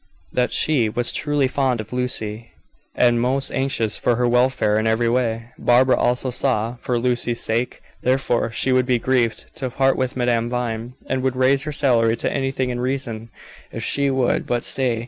That she was truly fond of Lucy, and most anxious for her welfare in every way, Barbara also saw. For Lucy's sake, therefore, she would be grieved to part with Madame Vine, and would raise her salary to anything in reason, if she would but stay.